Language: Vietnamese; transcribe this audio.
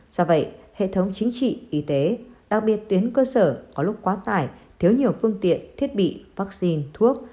do vậy hệ thống chính trị y tế đặc biệt tuyến cơ sở có lúc quá tải thiếu nhiều phương tiện thiết bị vaccine thuốc